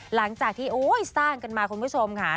หลังจากที่สร้างกันมาคุณผู้ชมค่ะ